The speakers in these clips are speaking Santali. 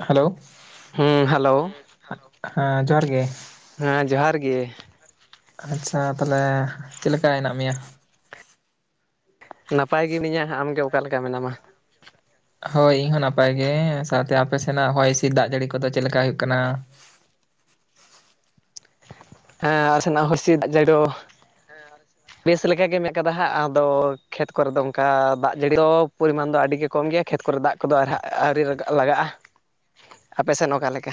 ᱦᱮᱞᱳ ᱦᱩᱸ ᱦᱮᱞᱳ ᱦᱮᱞᱳ, ᱦᱮᱸ ᱡᱚᱦᱟᱨ ᱜᱮ ᱦᱮᱸ ᱡᱚᱦᱟᱨ ᱜᱮ ᱟᱪᱪᱷᱟᱻ ᱛᱟᱞᱦᱮ ᱪᱮᱫᱞᱮᱠᱟ ᱢᱮᱱᱟᱜ ᱢᱮᱭᱟ ᱱᱟᱯᱟᱭ ᱜᱮ ᱢᱤᱹᱱᱧᱟᱹ ᱟᱢᱜᱮ ᱚᱠᱟ ᱞᱮᱠᱟ ᱢᱮᱱᱟᱢᱟ ᱦᱳᱭ ᱤᱧ ᱦᱚᱸ ᱱᱟᱯᱟᱭ ᱜᱮ, ᱥᱟᱶᱛᱮ ᱟᱯᱮ ᱥᱮᱱᱟᱜ ᱦᱚᱭ ᱦᱤᱸᱥᱤᱫ ᱫᱟᱜ ᱡᱟᱹᱲᱤ ᱠᱚᱫᱚ ᱪᱮᱫ ᱞᱮᱠᱟ ᱦᱩᱭᱩᱜ ᱠᱟᱱᱟ ᱦᱮᱸ ᱟᱞᱮ ᱥᱮᱱᱟᱜ ᱦᱚᱭ ᱦᱤᱸᱥᱫ ᱫᱟᱜ ᱡᱟᱹᱲᱤ ᱫᱚ ᱦᱮᱸ ᱟᱞᱮ ᱥᱮᱱᱟᱜ ᱵᱮᱥ ᱞᱮᱠᱟ ᱜᱮ ᱢᱮᱱᱟᱜ ᱠᱟᱫᱟ ᱦᱟᱸᱜ ᱟᱫᱚ, ᱠᱷᱮᱛ ᱠᱚᱨᱮ ᱫᱚ ᱚᱱᱠᱟ ᱫᱟᱜ ᱡᱟᱹᱲᱤ ᱫᱚ ᱯᱚᱨᱤᱢᱟᱱ ᱫᱚ ᱟᱹᱰᱤ ᱜᱮ ᱠᱚᱢ ᱜᱮᱭᱟ ᱠᱷᱮᱛ ᱠᱚᱨᱮ ᱫᱟᱜ ᱠᱚᱫᱚ ᱟᱨ ᱦᱟᱸᱜ ᱟᱹᱣᱨᱤ ᱨᱟᱜᱟᱜ ᱞᱟᱜᱟᱜᱼᱟ ᱟᱯᱮᱥᱮᱱ ᱚᱠᱟᱞᱮᱠᱟ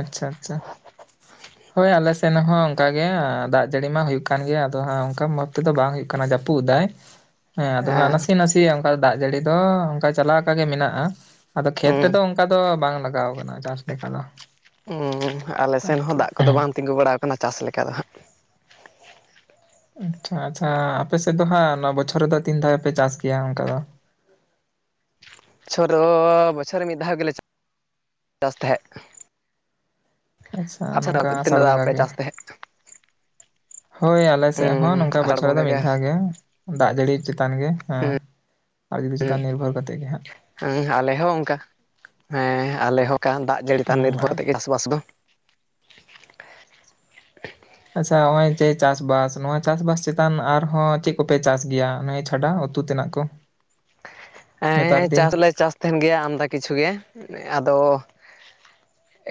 ᱟᱪᱪᱷᱟ ᱟᱪᱪᱷᱟ ᱦᱳᱭ ᱟᱞᱮᱥᱮᱱ ᱦᱚᱸ ᱚᱱᱠᱟ ᱜᱮ, ᱫᱟᱜ ᱡᱟᱹᱲᱤ ᱢᱟ ᱦᱩᱭᱩᱜ ᱠᱟᱱ ᱜᱮᱭᱟ ᱟᱫᱚ ᱦᱟᱸᱜ, ᱚᱱᱠᱟ ᱢᱚᱡᱽ ᱛᱮᱫᱚ ᱵᱟᱝ ᱦᱩᱭᱩᱜ ᱠᱟᱱᱟ ᱡᱟᱹᱯᱩᱫ ᱫᱟᱭ ᱦᱮᱸ, ᱟᱫᱚ ᱦᱟᱸᱜ ᱱᱟᱥᱮ ᱱᱟᱥᱮᱭᱟᱜ ᱚᱱᱠᱟ ᱫᱟᱜ ᱡᱟᱹᱲᱤ ᱫᱚ, ᱚᱝᱠᱟ ᱪᱟᱞᱟᱣ ᱟᱠᱟ ᱜᱮ ᱢᱮᱱᱟᱜᱼᱟ ᱟᱫᱚ ᱠᱷᱮᱛ ᱦᱩᱸ ᱨᱮᱫᱚ ᱚᱝᱠᱟ ᱫᱚ ᱵᱟᱝ ᱞᱟᱜᱟᱣ ᱠᱟᱱᱟ ᱪᱟᱥ ᱞᱮᱠᱟ ᱫᱚ ᱩᱸᱻ ᱟᱞᱮᱥᱮᱱ ᱦᱚᱸ ᱟᱨᱠᱤ ᱫᱟᱜ ᱠᱚᱫᱚ ᱵᱟᱝ ᱛᱤᱸᱜᱩ ᱵᱟᱲᱟᱣ ᱠᱟᱱᱟ ᱪᱟᱥ ᱞᱮᱠᱟ ᱫᱚ ᱦᱟᱸᱜ ᱟᱪᱪᱷᱟ ᱟᱪᱪᱷᱟ, ᱟᱯᱮ ᱥᱮᱫ ᱫᱚ ᱦᱟᱸᱜ ᱚᱱᱚ ᱵᱚᱪᱷᱚᱨ ᱨᱮᱫᱚ ᱛᱤᱱ ᱫᱷᱟᱣ ᱯᱮ ᱪᱟᱥ ᱜᱮᱭᱟ ᱚᱱᱠᱟ ᱫᱚ ᱵᱚᱪᱷᱚᱨ ᱫᱚ ᱵᱚᱪᱷᱚᱨ ᱨᱮ ᱢᱤᱫ ᱫᱷᱟᱣ ᱜᱮᱞᱮ ᱪᱟᱥ ᱛᱟᱦᱮᱸᱫ ᱱᱚᱝᱠᱟ ᱟᱪᱪᱷᱟ ᱟᱥᱟᱲ ᱛᱤᱱᱟᱹᱜ ᱫᱷᱟᱣ ᱵᱚᱸᱜᱟ ᱯᱮ ᱜᱮ ᱪᱟᱥ ᱛᱟᱦᱮᱸᱫ ᱦᱳᱭ ᱟᱞᱮ ᱥᱮᱫ ᱦᱚᱸ ᱦᱩᱸ ᱱᱚᱝᱠᱟ ᱟᱥᱟᱲ ᱵᱚᱪᱷᱚᱨ ᱨᱮ ᱫᱚ ᱵᱚᱸᱜᱟ ᱢᱤᱫ ᱫᱷᱟᱣ ᱜᱮ ᱫᱟᱜ ᱡᱟᱹᱲᱤ ᱪᱮᱛᱟᱱ ᱜᱮ ᱦᱮᱸ ᱟᱨ ᱡᱩᱫᱤ ᱪᱮᱛᱟᱱ ᱱᱤᱨᱵᱷᱚᱨ ᱠᱟᱛᱮᱫ ᱜᱮ ᱦᱟᱸᱜ ᱦᱮᱸ ᱟᱞᱮ ᱦᱚᱸ ᱚᱝᱠᱟ ᱦᱮᱸ ᱟᱞᱮ ᱦᱚᱸ ᱚᱝᱠᱟ ᱫᱟᱜ ᱡᱟᱹᱲᱤ ᱪᱮᱛᱟᱱ ᱦᱩᱸ ᱱᱤᱨᱵᱷᱚᱨ ᱟᱨ ᱛᱮᱜᱮ ᱪᱟᱥᱵᱟᱥ ᱫᱚ ᱟᱪᱪᱷᱟ ᱱᱚᱜ ᱚᱭ ᱡᱮ ᱪᱟᱥᱵᱥ ᱱᱚᱣᱟ ᱪᱟᱥ ᱵᱟᱥ ᱪᱮᱛᱟᱱ ᱟᱨᱦᱚᱸ ᱪᱮᱫ ᱠᱚᱯᱮ ᱪᱟᱥ ᱜᱮᱭᱟ ᱚᱱᱟ ᱪᱷᱟᱰᱟ ᱩᱛᱩ ᱛᱮᱱᱟᱜ ᱠᱚ ᱱᱮᱛᱟᱨ ᱦᱮᱸᱻ ᱫᱤᱱ ᱪᱟᱥᱞ ᱞᱮ ᱪᱟᱥ ᱛᱟᱦᱮᱱ ᱜᱮᱭᱟ ᱟᱢᱫᱟ ᱠᱤᱪᱷᱩ ᱜᱮ ᱟᱫᱚ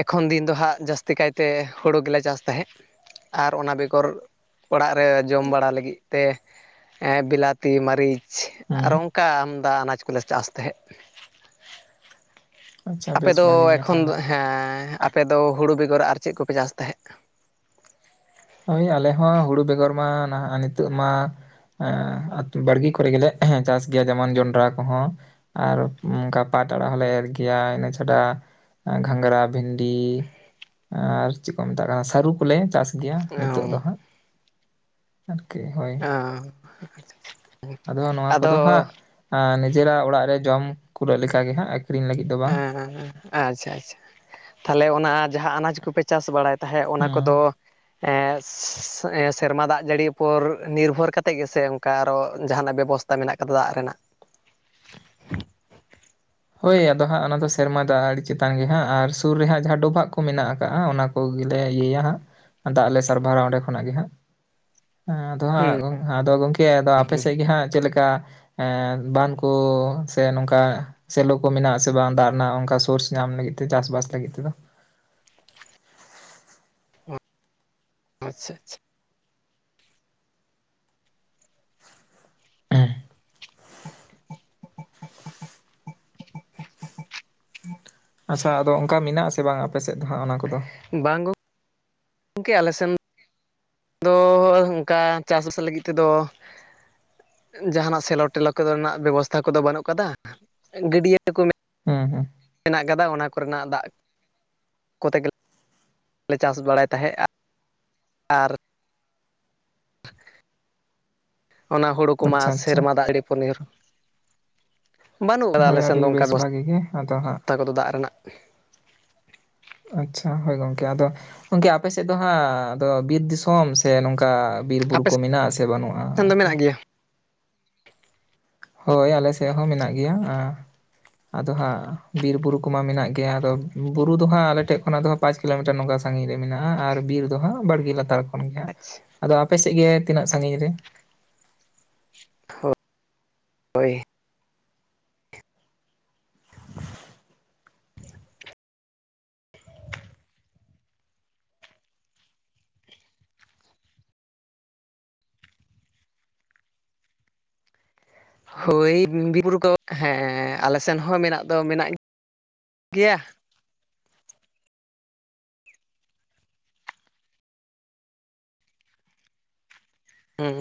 ᱮᱠᱷᱚᱱ ᱫᱤᱱ ᱫᱚ ᱦᱟᱸᱜ ᱡᱟᱹᱥᱛᱤ ᱠᱟᱭᱛᱮ ᱦᱳᱲᱳ ᱜᱮᱞᱮ ᱪᱟᱥ ᱛᱟᱦᱮᱸᱫ ᱟᱨ ᱚᱱᱟ ᱵᱮᱜᱚᱨ ᱚᱲᱟᱜ ᱨᱮ ᱡᱚᱢ ᱵᱟᱲᱟ ᱞᱟᱹᱜᱤᱫ ᱛᱮ ᱵᱞᱟᱛᱤ ᱢᱟᱹᱨᱤᱪ ᱦᱩᱸ ᱟᱨᱚ ᱚᱝ ᱠᱟ ᱟᱢᱫᱟ ᱟᱱᱟᱡᱽ ᱠᱚᱞᱮ ᱪᱟᱥ ᱛᱟᱦᱮᱸᱫ ᱟᱪᱪᱷᱟ ᱟᱯᱮᱫ ᱵᱮᱥ ᱫᱚ ᱵᱷᱟᱜᱤ ᱜᱮᱭᱟ ᱮᱠᱷᱚᱱ ᱫᱚ ᱛᱟᱦᱚᱞᱮ ᱦᱮᱸᱻ ᱟᱯᱮᱫᱚ ᱦᱩᱲᱩ ᱵᱮᱜᱚᱨ ᱟᱨ ᱪᱮᱫ ᱠᱚᱯᱮ ᱪᱟᱥ ᱛᱟᱦᱮᱸᱫ ᱦᱳᱭ ᱟᱞᱮ ᱦᱚᱸ ᱦᱩᱲᱩ ᱵᱮᱜᱚᱨ ᱢᱟ ᱱᱟᱦᱟᱜ ᱱᱤᱛᱚᱜ ᱢᱟ ᱦᱮᱸ, ᱵᱟᱲᱜᱮ ᱠᱚᱨᱮ ᱜᱮᱞᱮ ᱪᱟᱥ ᱜᱮᱭᱟ ᱡᱮᱢᱚᱱ ᱡᱚᱱᱰᱨᱟ ᱠᱚᱦᱚᱸ ᱟᱨ ᱚᱱᱠᱟ ᱯᱟᱴ ᱟᱲᱟᱜ ᱦᱚᱞᱮ ᱮᱨ ᱜᱮᱭᱟ ᱤᱱᱟᱹ ᱪᱷᱟᱰᱟ ᱜᱷᱟᱸᱜᱽᱨᱟ ᱵᱷᱤᱱᱰᱤ ᱟᱨ ᱪᱮᱫ ᱠᱚ ᱢᱮᱛᱟᱜ ᱠᱟᱱᱟ ᱥᱟᱹᱨᱩ ᱠᱚᱞᱮ ᱪᱟᱥ ᱜᱮᱭᱟ᱾ ᱱᱤᱛᱳᱜ ᱫᱚ ᱦᱟᱸᱜ᱾ ᱟᱨᱠᱤ ᱦᱳᱭ, ᱚ ᱟᱫᱚ ᱱᱚᱣᱟ ᱠᱚᱫᱚ ᱦᱟᱸᱜ ᱟ ᱱᱤᱡᱮᱨᱟᱜ ᱚᱲᱟᱜ ᱨᱮ ᱡᱚᱢ ᱠᱩᱨᱟᱹᱜ ᱞᱮᱠᱟᱜ ᱜᱮ ᱦᱟᱸᱜ᱾ ᱟᱹᱠᱷᱨᱤᱧ ᱞᱟᱹᱜᱤᱫ ᱫᱚ ᱵᱟᱝ ᱮᱸ ᱟᱪᱷᱟ ᱟᱪᱷᱟ ᱛᱟᱦᱚᱞᱮ ᱚᱱᱟ ᱡᱟᱦᱟᱸ ᱟᱱᱟᱡᱽ ᱠᱚᱯᱮ ᱪᱟᱥ ᱵᱟᱲᱟᱭ ᱛᱟᱦᱮᱸ ᱚᱱᱟ ᱦᱮᱸ ᱠᱚᱫᱚ ᱮᱸ ᱥᱮ, ᱥᱮᱨᱢᱟ ᱫᱟᱜ ᱡᱟᱹᱲᱤ ᱩᱯᱚᱨ ᱱᱤᱨᱵᱷᱚᱨ ᱠᱟᱛᱮ ᱜᱮᱥ ᱚᱱᱠᱟ ᱟᱨᱚ ᱡᱟᱦᱟᱱᱟᱜ ᱵᱮᱵᱚᱥ ᱢᱮᱱᱟᱜ ᱠᱟᱫᱟ ᱫᱟᱜ ᱨᱮᱱᱟᱜ ᱦᱳᱭ ᱟᱫᱚ ᱦᱟᱸᱜ ᱚᱱᱟ ᱫᱚ ᱥᱮᱨᱢᱟ ᱫᱚ ᱟᱹᱰᱤ ᱪᱮᱛᱟᱱ ᱜᱮ ᱦᱟᱸᱜ ᱟᱨ ᱥᱩᱨ ᱨᱮᱦ ᱡᱟᱦᱟᱸ ᱰᱚᱵᱷᱟᱜ ᱠᱚ ᱢᱮᱱᱟᱜ ᱟᱠᱟᱜ ᱚᱱᱟ ᱡᱚᱛᱚ ᱜᱮᱞᱮ ᱤᱭᱟᱹᱭᱟ ᱦᱟᱸᱜ ᱫᱟᱜ ᱞᱮ ᱥᱟᱨᱵᱷᱟᱨᱟ ᱚᱸᱰᱮ ᱠᱷᱚᱱᱟᱜ ᱜᱮ ᱦᱟᱸᱜ ᱟᱫᱚ ᱦᱟᱸᱜ ᱦᱩᱸ ᱜᱚᱝ ᱦᱮᱸ, ᱟᱫᱚ ᱜᱚᱝᱠᱮ ᱟᱫᱚ ᱟᱯᱮ ᱦᱩᱸ ᱥᱮᱫ ᱜᱮ ᱦᱟᱸᱜ ᱪᱮᱫ ᱞᱮᱠᱟ ᱮᱸᱻ ᱵᱟᱱ ᱠᱚ ᱥᱮ ᱱᱚᱝᱠᱟ ᱥᱮᱞᱚ ᱠᱚ ᱢᱮᱱᱟᱜ ᱥᱮ ᱵᱟᱝ ᱫᱟᱜ ᱨᱮᱱᱟᱜ ᱚᱝᱠᱟ ᱥᱳᱨᱥ ᱧᱟᱢ ᱞᱟᱹᱜᱤᱫ ᱛᱮ ᱪᱟᱥ ᱵᱟᱥ ᱞᱟᱹᱜᱤᱫ ᱛᱮᱫᱚ ᱦᱩᱸ, ᱟᱪᱪᱷᱟ ᱟᱪᱪᱷᱟ ᱦᱩᱸ [unintelligible] ᱟᱪᱷᱟ ᱟᱫᱚ ᱚᱱᱠᱟ ᱢᱮᱱᱟᱜᱼᱟᱥᱮ ᱵᱟᱝ ᱟᱯᱮ ᱥᱮᱫ ᱫᱚ ᱦᱟᱸᱜ ᱚᱱᱟ ᱠᱚᱫᱚ? ᱵᱟᱝ ᱜᱚᱝ ᱟᱞᱮ ᱥᱮᱱ ᱫᱚ ᱚᱱᱠᱟ ᱪᱟᱥᱵᱟᱥ ᱞᱟᱹᱜᱤᱫ ᱛᱮᱫᱚ ᱡᱟᱦᱟᱸᱱᱟᱜ ᱥᱮᱞᱚ ᱴᱮᱞᱚ ᱠᱚᱱᱟᱜ ᱵᱮᱵᱚᱥᱛᱷᱟ ᱠᱚᱫᱚ ᱵᱟᱹᱱᱩᱜ ᱠᱟᱫᱟ ᱜᱟᱹᱰᱭᱟᱹ ᱠᱚ ᱦᱩᱸ ᱦᱩᱸ ᱢᱮᱱᱟᱜ ᱠᱟᱫᱟ ᱚᱱᱟ ᱠᱚᱨᱮᱱᱟᱜ ᱫᱟᱜ ᱠᱚᱛᱮ ᱜᱮ ᱞᱮ ᱪᱟᱥ ᱵᱟᱲᱟᱭ ᱛᱟᱦᱮᱸᱜᱼᱟ ᱟᱨ ᱚᱱᱟ ᱦᱳᱲᱚ ᱠᱚᱢᱟ ᱟᱪᱪᱷᱟ ᱟᱪᱪᱷᱟ ᱥᱮᱨᱢᱟ ᱫᱟᱜᱲᱤ ᱯᱩᱱᱤᱨ ᱦᱳᱭ ᱟᱹᱰᱤ ᱚᱱᱠᱟ ᱵᱮᱥ ᱵᱮᱵᱚᱥᱛᱷᱟ ᱵᱷᱟᱜᱤ ᱜᱮ ᱟᱫᱚ ᱦᱟᱸᱜ ᱠᱚᱫᱚ ᱫᱟᱜ ᱨᱮᱱᱟᱜ ᱟᱪᱷᱟ ᱦᱳᱭ ᱜᱚᱝᱠᱮ ᱟᱫᱚ ᱜᱚᱢᱠᱮ ᱟᱯᱮ ᱥᱮᱫ ᱫᱚ ᱦᱟᱸᱜ ᱟᱫᱚ ᱵᱤᱨ ᱫᱤᱥᱚᱢ ᱥᱮ ᱱᱚᱝᱠᱟ ᱵᱤᱨᱵᱩᱨᱩ ᱟᱯᱮ ᱠᱚ ᱢᱮᱱᱟᱜᱼᱟ ᱥᱮ ᱵᱟᱹᱱᱩᱜᱼᱟ ᱥᱮᱱ ᱫᱚ ᱟᱨᱠᱤ? ᱢᱮᱱᱟᱜ ᱜᱮᱭᱟ ᱦᱳᱭ ᱟᱞᱮ ᱥᱮᱫ ᱦᱚᱸ ᱢᱮᱱᱟᱜ ᱜᱮᱭᱟ ᱟᱸ ᱟᱫᱚ ᱦᱟᱸᱜ ᱵᱤᱨ ᱵᱩᱨᱩ ᱠᱚᱢᱟ ᱢᱮᱱᱟᱜ ᱜᱮᱭᱟ ᱟᱫᱚ ᱵᱩᱨᱩ ᱫᱚ ᱦᱟᱸᱜ ᱟᱞᱮᱮᱴᱷᱮᱡ ᱠᱷᱚᱱᱟᱜ ᱫᱚ ᱦᱟᱸ ᱯᱟᱸᱪ ᱠᱤᱞᱳᱢᱤᱴᱟᱨ ᱱᱚᱝᱠᱟ ᱥᱟᱺᱜᱤᱧ ᱨᱮ ᱢᱮᱱᱟᱜᱼᱟ ᱟᱨ ᱵᱤᱨ ᱫᱚ ᱦᱟᱸᱜ ᱵᱟᱲᱜᱮ ᱞᱟᱛᱟᱲ ᱠᱷᱚᱱ ᱜᱮ ᱦᱟᱸᱜ ᱟᱪᱪᱷᱟ ᱟᱫᱚ ᱟᱯᱮ ᱥᱮᱫ ᱜᱮ ᱛᱤᱱᱟᱹᱜ ᱥᱟᱺᱜᱤᱧ ᱨᱮ? ᱦᱳᱭ᱾ ᱦᱳᱭ ᱵᱤᱨ ᱵᱩᱨᱩ ᱠᱚ ᱦᱮᱸ ᱟᱞᱮ ᱥᱮᱱ ᱦᱚᱸ ᱢᱮᱱᱟᱜ ᱫᱚ ᱢᱮᱱᱟᱜ ᱜᱮᱭᱟ᱾ ᱦᱩᱸ᱾